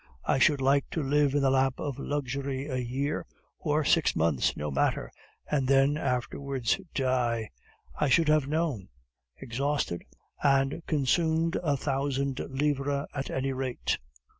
I should like to live in the lap of luxury a year, or six months, no matter! And then afterwards, die. I should have known, exhausted, and consumed a thousand lives, at any rate."